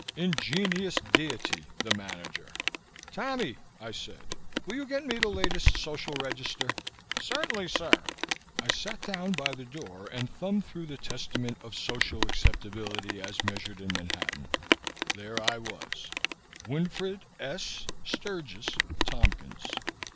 Ingenious deity, the Manager! "Tammy," I said, "will you get me the latest Social Register?" "Certainly, sir." I sat down by the door and thumbed through the testament of social acceptability as measured in Manhattan. There I was: Winfred S. (Sturgis) Tompkins.